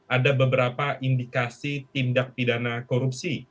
ada beberapa indikasi tindak pidana korupsi